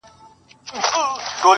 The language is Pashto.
ويل موري ستا تر ژبي دي قربان سم،